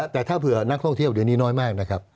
แต่ถ้าเผื่อนักท่องเที่ยวเดี๋ยวนี้น้อยมากนะครับ